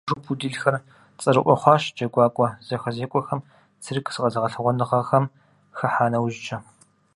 Псом хуэмыдэжу пуделхэр цӏэрыӏуэ хъуащ джэгуакӏуэ зэхэзекӏуэхэм, цирк зыкъэгъэлъагъуэныгъэхэм хыхьа нэужькӏэ.